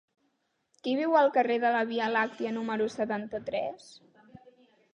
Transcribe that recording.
Qui viu al carrer de la Via Làctia número setanta-tres?